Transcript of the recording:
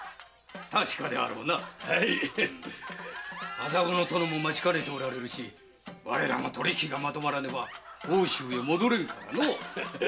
麻布の殿も待ちかねておられるし我らも取り引きがまとまらねば奥州へ戻れぬからのう。